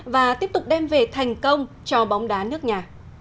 và tiếp tục đem về thành công cho bóng đá nước nhà